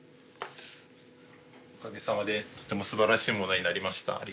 おかげさまでとてもすばらしいものになりました。